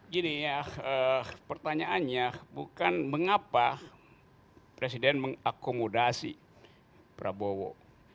gini ya pertanyaannya bukan mengapa presiden mengakomodasi prabowo